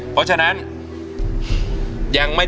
ฟังแทนเนี่ย